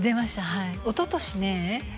はいおととしね